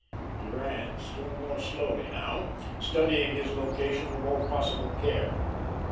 He ran still more slowly now, studying his location with all possible care.